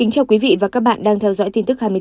cảm ơn các bạn đã theo dõi